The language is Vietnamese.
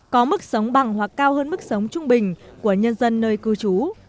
có mức sống bằng hoặc cao hơn mức sống trung bình của nhân dân nơi cư trú